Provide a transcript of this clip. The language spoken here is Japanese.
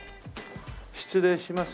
失礼します。